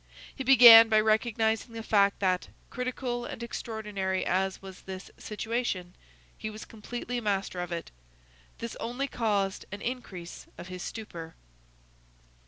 He began by recognizing the fact that, critical and extraordinary as was this situation, he was completely master of it. This only caused an increase of his stupor.